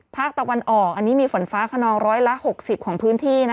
ภาคตะวันออกฝนฟ้าขนอง๑๖๐ของพื้นที่